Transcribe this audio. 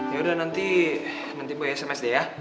ya udah nanti nanti boy sms deh ya